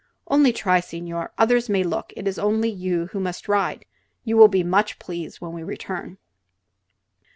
"Only try, signore! Others may look; it is only you who must ride. You will be much please when we return."